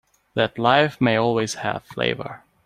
That life may always have flavor.